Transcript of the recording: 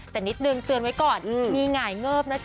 แต่นิดนึงเตือนไว้ก่อนมีหงายเงิบนะจ๊